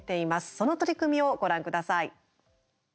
その取り組みをご覧ください。